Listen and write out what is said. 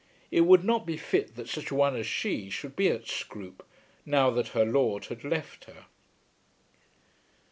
It would not be fit that such a one as she should be at Scroope now that her lord had left her.